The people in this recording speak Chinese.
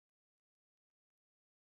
太平二十二年九月冯弘沿用。